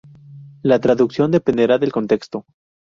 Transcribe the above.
La traducción dependerá del contexto.